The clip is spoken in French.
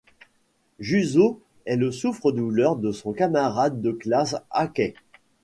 Juzo est le souffre-douleur de son camarade de classe Akai.